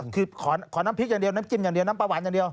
คือขอน้ำพริกอย่างเดียวน้ำจิ้มอย่างเดียวน้ำปลาหวานอย่างเดียว